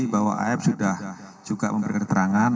bahwa af sudah juga memberikan keterangan